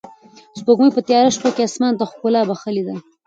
سپوږمۍ په تیاره شپه کې اسمان ته ښکلا بښلې ده.